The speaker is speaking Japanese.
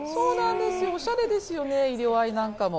おしゃれですよね、色合いなんかも。